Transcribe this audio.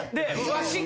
わしが。